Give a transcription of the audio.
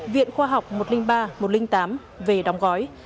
viện khoa học một trăm linh ba một trăm linh tám về đóng gói